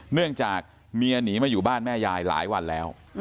เนื่องจากเมียหนีมาอยู่บ้านแม่ยายหลายวันแล้ว